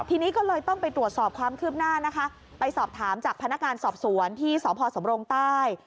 ทีนี้ก็เลยต้องไปตรวจสอบความคืบหน้านะคะไปสอบถามจากพนักงานสอบสวนที่สพสำรงใต้